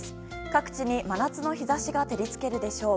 各地に真夏の日差しが照り付けるでしょう。